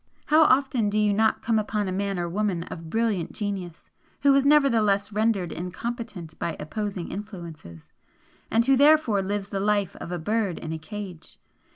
How often do you not come upon a man or woman of brilliant genius, who is nevertheless rendered incompetent by opposing influences, and who therefore lives the life of a bird in a cage!